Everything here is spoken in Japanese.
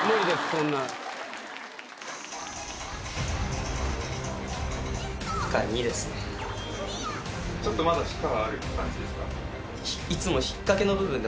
そんなちょっとまだ不可がある感じですか？